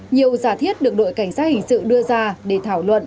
nhiều giả thiết được đội cảnh sát hình sự đưa ra để thảo luận